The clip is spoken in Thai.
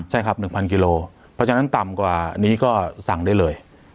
ใช่ครับ๑๐๐กิโลเพราะฉะนั้นต่ำกว่านี้ก็สั่งได้เลย